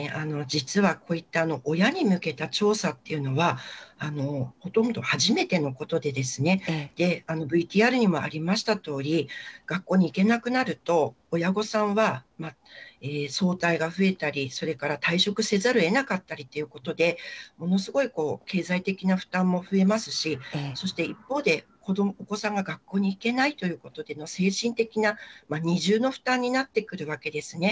実はこういった親に向けた調査っていうのは、ほとんど初めてのことで、ＶＴＲにもありましたとおり、学校に行けなくなると、親御さんは早退が増えたり、それから退職せざるをえなかったりということで、ものすごい経済的な負担も増えますし、そして一方で、お子さんが学校に行けないということでの精神的な二重の負担になってくるわけですね。